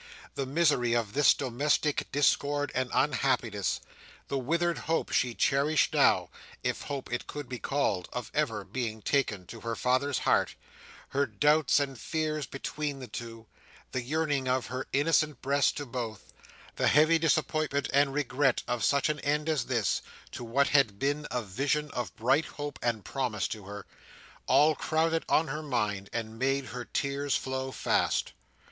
The misery of this domestic discord and unhappiness; the withered hope she cherished now, if hope it could be called, of ever being taken to her father's heart; her doubts and fears between the two; the yearning of her innocent breast to both; the heavy disappointment and regret of such an end as this, to what had been a vision of bright hope and promise to her; all crowded on her mind and made her tears flow fast.